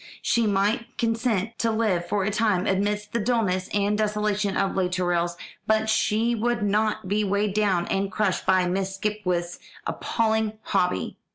She might consent to live for a time amidst the dullness and desolation of Les Tourelles, but she would not be weighed down and crushed by Miss Skipwith's appalling hobby.